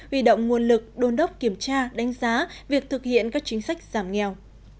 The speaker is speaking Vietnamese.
huy động nguồn lực đôn đốc kiểm tra đánh giá việc thực hiện các chính sách giảm nghèo